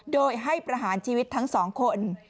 โดยให้ประหารชีวิตทั้งสองคน